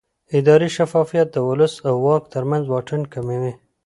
اداري شفافیت د ولس او واک ترمنځ واټن کموي